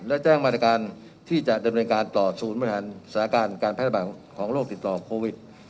และแจ้งมาตรการที่จะดำเนินการต่อศูนย์บริหารสถานการณ์การแพร่ระบาดของโรคติดต่อโควิด